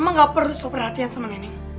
mama gak perlu sok perhatian sama neneng